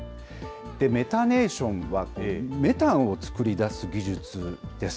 メタネーションはメタンを作り出す技術です。